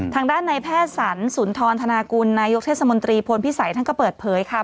ทางด้านในแพทย์สรรสุนทรธนากุลนายกเทศมนตรีพลพิสัยท่านก็เปิดเผยค่ะ